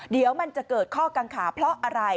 เดี๋ยวมันจะเกิดข้อกังขาเพราะอะไร